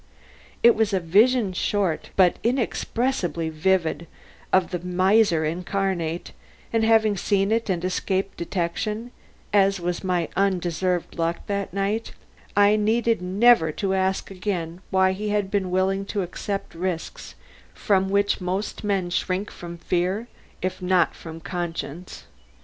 It was a vision short, but inexpressibly vivid, of the miser incarnate, and having seen it and escaped detection, as was my undeserved luck that night, I needed never to ask again why he had been willing to accept risks from which most men shrink from fear if not from conscience.